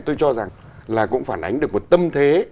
tôi cho rằng là cũng phản ánh được một tâm thế